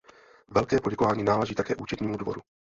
Velké poděkování náleží také Účetnímu dvoru.